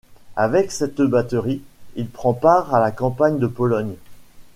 Avec cette batterie, il prend part à la campagne de Pologne.